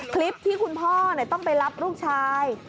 คลิปที่คุณพ่อต้องไปรับลูกชาย